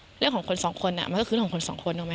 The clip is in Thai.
เรื่องของคนสองคนมันก็คือเรื่องของคนสองคนถูกไหม